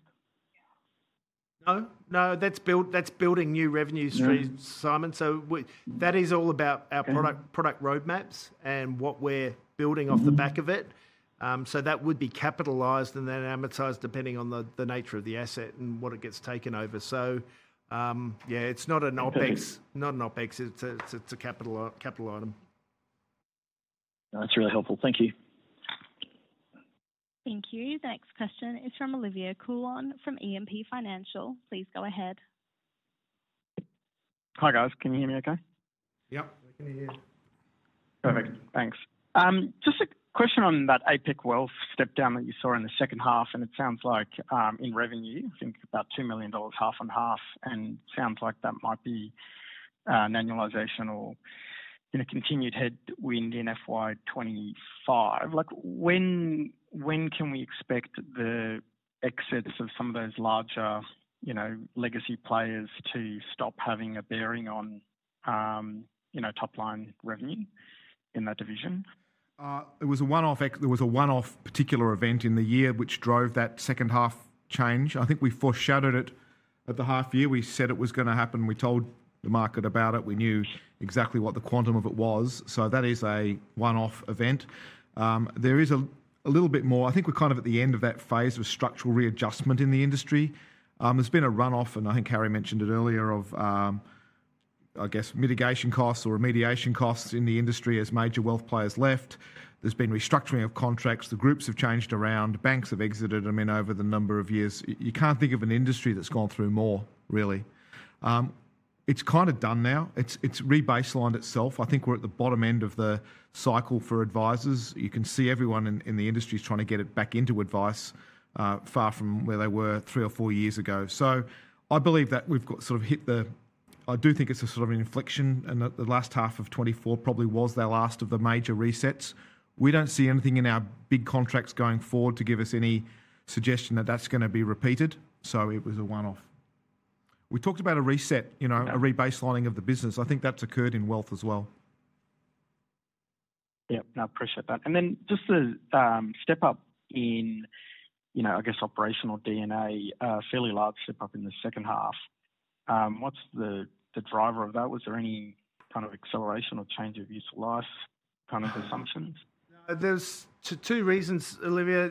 No. No. That's building new revenue streams, Simon. So that is all about our product roadmaps and what we're building off the back of it. So that would be capitalized and then amortized depending on the nature of the asset and what it gets taken over. So yeah, it's not an OpEx. Not an OpEx. It's a capital item. That's really helpful. Thank you. Thank you. The next question is from Olivia Hagglund from E&P Financial. Please go ahead. Hi, guys. Can you hear me okay? Yep. We can hear you. Perfect. Thanks. Just a question on that APAC Wealth step down that you saw in the second half. It sounds like in revenue, I think about 2 million dollars, half and half. It sounds like that might be an annualization or continued headwind in FY 2025. When can we expect the exits of some of those larger legacy players to stop having a bearing on top-line revenue in that division? It was a one-off. There was a one-off particular event in the year which drove that second half change. I think we foreshadowed it at the half year. We said it was going to happen. We told the market about it. We knew exactly what the quantum of it was. So that is a one-off event. There is a little bit more. I think we're kind of at the end of that phase of structural readjustment in the industry. There's been a run-off, and I think Harry mentioned it earlier, of, I guess, mitigation costs or remediation costs in the industry as major wealth players left. There's been restructuring of contracts. The groups have changed around. Banks have exited, I mean, over the number of years. You can't think of an industry that's gone through more, really. It's kind of done now. It's rebaselined itself. I think we're at the bottom end of the cycle for advisors. You can see everyone in the industry is trying to get it back into advice far from where they were three or four years ago. So I believe that we've sort of hit the. I do think it's a sort of an inflection. And the last half of 2024 probably was the last of the major resets. We don't see anything in our big contracts going forward to give us any suggestion that that's going to be repeated. So it was a one-off. We talked about a reset, a rebaselining of the business. I think that's occurred in wealth as well. Yep. I appreciate that. And then just to step up in, I guess, operational D&A, a fairly large step up in the second half. What's the driver of that? Was there any kind of acceleration or change of useful life kind of assumptions? There's two reasons, Olivia.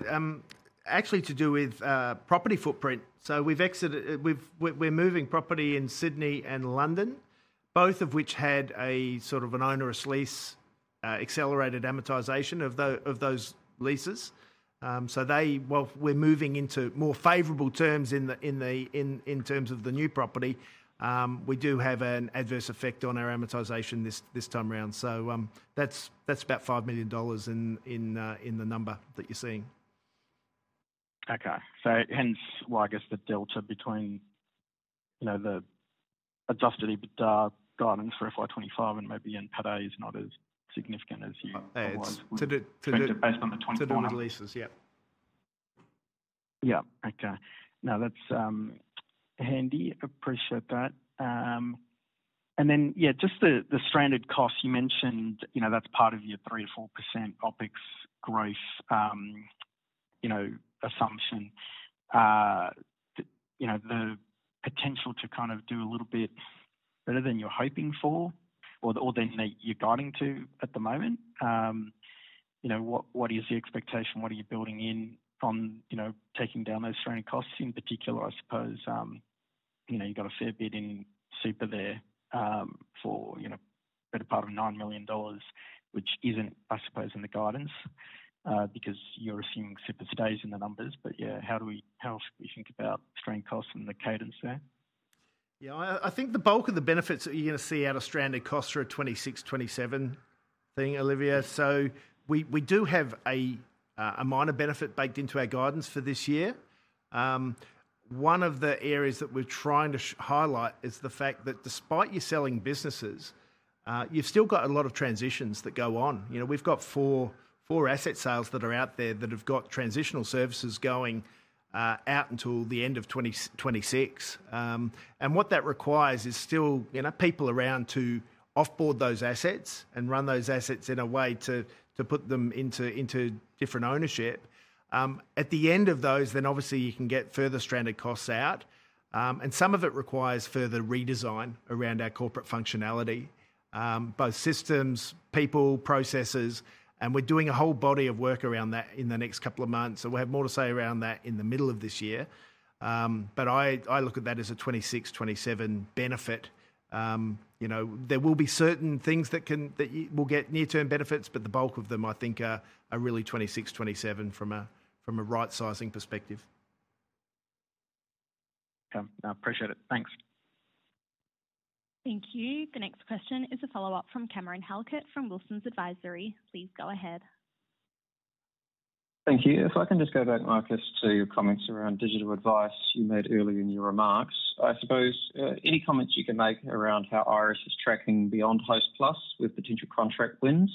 Actually, to do with property footprint. So we're moving property in Sydney and London, both of which had a sort of an onerous lease accelerated amortization of those leases. So while we're moving into more favorable terms in terms of the new property, we do have an adverse effect on our amortization this time around. So that's about 5 million dollars in the number that you're seeing. Okay. So hence, well, I guess the delta between the adjusted guidance for FY 2025 and maybe NPATA is not as significant as you want based on the 2024. Based on the 2024 leases, yep. Yep. Okay. No, that's handy. Appreciate that. And then, yeah, just the stranded costs. You mentioned that's part of your 3%-4% OpEx growth assumption. The potential to kind of do a little bit better than you're hoping for or than you're guiding to at the moment. What is the expectation? What are you building in on taking down those stranded costs? In particular, I suppose you've got a fair bit in super there for better part of 9 million dollars, which isn't, I suppose, in the guidance because you're assuming super stays in the numbers. But yeah, how else could we think about stranded costs and the cadence there? Yeah. I think the bulk of the benefits that you're going to see out of stranded costs are a 2026, 2027 thing, Olivia. So we do have a minor benefit baked into our guidance for this year. One of the areas that we're trying to highlight is the fact that despite you selling businesses, you've still got a lot of transitions that go on. We've got four asset sales that are out there that have got transitional services going out until the end of 2026. And what that requires is still people around to offboard those assets and run those assets in a way to put them into different ownership. At the end of those, then obviously you can get further stranded costs out. And some of it requires further redesign around our corporate functionality, both systems, people, processes. And we're doing a whole body of work around that in the next couple of months. So we'll have more to say around that in the middle of this year. But I look at that as a 2026, 2027 benefit. There will be certain things that will get near-term benefits, but the bulk of them, I think, are really 2026, 2027 from a right-sizing perspective. Okay. I appreciate it. Thanks. Thank you. The next question is a follow-up from Cameron Halkett from Wilsons Advisory. Please go ahead. Thank you. If I can just go back, Marcus, to your comments around digital advice you made earlier in your remarks. I suppose any comments you can make around how Iress is tracking beyond Hostplus with potential contract wins,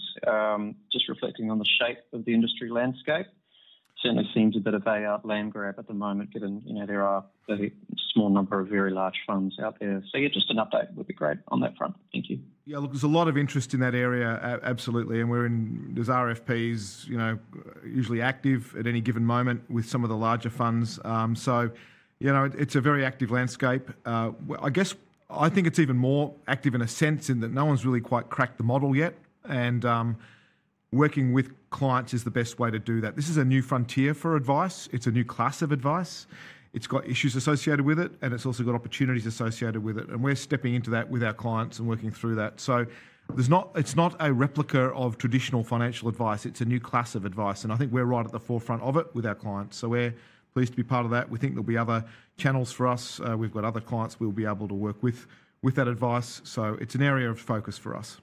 just reflecting on the shape of the industry landscape, certainly seems a bit of a land grab at the moment given there are a small number of very large funds out there. So yeah, just an update would be great on that front. Thank you. Yeah. Look, there's a lot of interest in that area, absolutely. And there's RFPs usually active at any given moment with some of the larger funds. So it's a very active landscape. I think it's even more active in a sense in that no one's really quite cracked the model yet. And working with clients is the best way to do that. This is a new frontier for advice. It's a new class of advice. It's got issues associated with it, and it's also got opportunities associated with it. And we're stepping into that with our clients and working through that. So it's not a replica of traditional financial advice. It's a new class of advice. And I think we're right at the forefront of it with our clients. So we're pleased to be part of that. We think there'll be other channels for us. We've got other clients we'll be able to work with that advice. So it's an area of focus for us.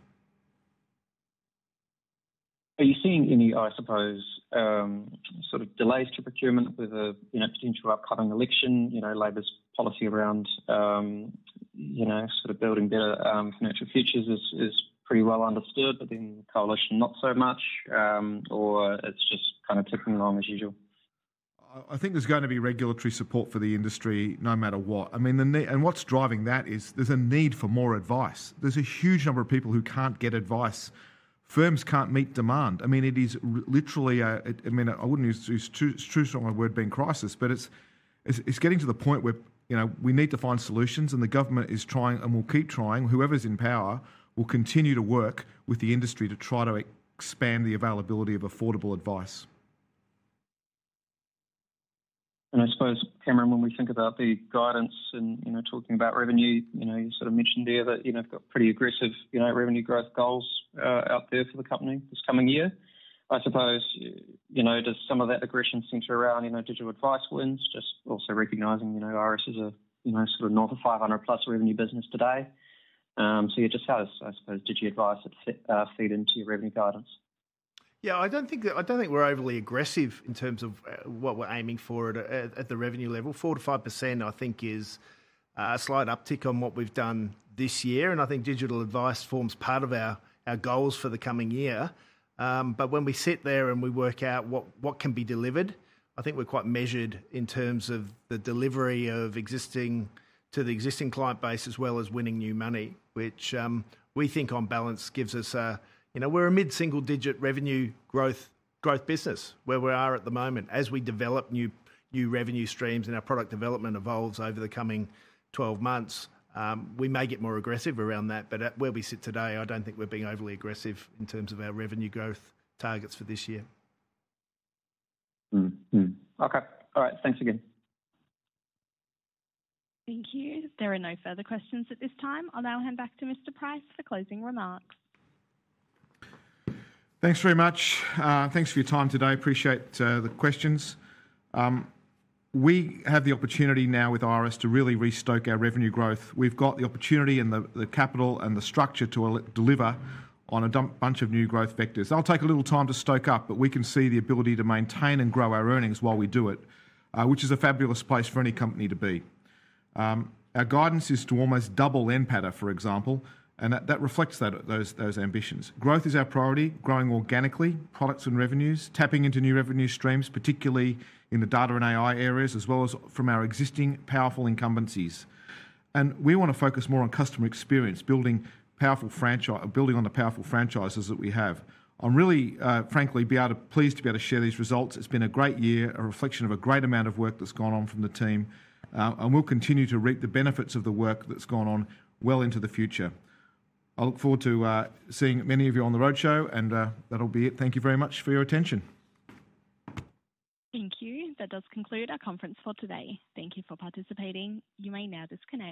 Are you seeing any, I suppose, sort of delays to procurement with a potential upcoming election? Labor's policy around sort of building better financial futures is pretty well understood, but in the Coalition, not so much. Or it's just kind of ticking along as usual? I think there's going to be regulatory support for the industry no matter what. And what's driving that is there's a need for more advice. There's a huge number of people who can't get advice. Firms can't meet demand. I mean, it is literally a—I mean, I wouldn't use the word "crisis," but it's getting to the point where we need to find solutions. And the government is trying, and we'll keep trying. Whoever's in power will continue to work with the industry to try to expand the availability of affordable advice. And I suppose, Cameron, when we think about the guidance and talking about revenue, you sort of mentioned earlier that you've got pretty aggressive revenue growth goals out there for the company this coming year. I suppose, does some of that aggression center around digital advice wins, just also recognizing Iress is a sort of north of 500-plus revenue business today? So yeah, just how does, I suppose, digital advice feed into your revenue guidance? Yeah. I don't think we're overly aggressive in terms of what we're aiming for at the revenue level. 4%-5%, I think, is a slight uptick on what we've done this year. And I think digital advice forms part of our goals for the coming year. But when we sit there and we work out what can be delivered, I think we're quite measured in terms of the delivery to the existing client base as well as winning new money, which we think on balance gives us. We're a mid-single-digit revenue growth business where we are at the moment. As we develop new revenue streams and our product development evolves over the coming 12 months, we may get more aggressive around that. But at where we sit today, I don't think we're being overly aggressive in terms of our revenue growth targets for this year. Okay. All right. Thanks again. Thank you. There are no further questions at this time. I'll now hand back to Mr. Price for closing remarks. Thanks very much. Thanks for your time today. Appreciate the questions. We have the opportunity now with Iress to really re-stoke our revenue growth. We've got the opportunity and the capital and the structure to deliver on a bunch of new growth vectors. They'll take a little time to stoke up, but we can see the ability to maintain and grow our earnings while we do it, which is a fabulous place for any company to be. Our guidance is to almost double NPATA, for example. And that reflects those ambitions. Growth is our priority. Growing organically, products and revenues, tapping into new revenue streams, particularly in the data and AI areas, as well as from our existing powerful incumbencies. And we want to focus more on customer experience, building on the powerful franchises that we have. I'm really, frankly, pleased to be able to share these results. It's been a great year, a reflection of a great amount of work that's gone on from the team. And we'll continue to reap the benefits of the work that's gone on well into the future. I look forward to seeing many of you on the roadshow, and that'll be it. Thank you very much for your attention. Thank you. That does conclude our conference for today. Thank you for participating. You may now disconnect.